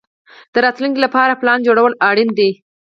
د راتلونکي لپاره پلان جوړول اړین دي.